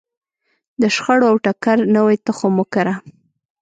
د شخړو او ټکر نوی تخم وکره.